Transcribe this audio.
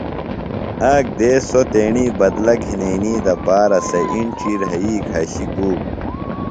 آک دیس سوۡ تیݨی بدلہ گِھنئنی دپارا سےۡ اِنڇی رھئی گھشیۡ گُوم ہِنوۡ